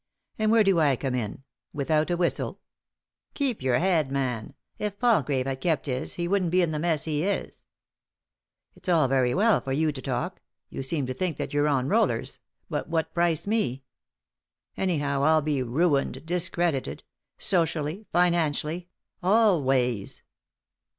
And where do I come in ? Without a whistle 1 "" Keep your head, man. If Palgrave had kept his he wouldn't be in the mess he is," " It's all very well for you to talk ; you seem to think that you're on rollers — but what price me ? Anyhow I'll be ruined, discredited ; socially, financially — all ways.